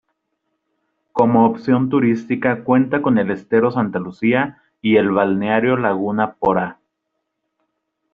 Como opción turística cuenta con el Estero Santa Lucía y el balneario "Laguna Porá".